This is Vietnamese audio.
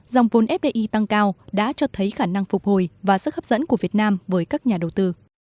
dòng vốn fdi tăng cao đã cho thấy khả năng phục hồi và sức hấp dẫn của việt nam với các nhà đầu tư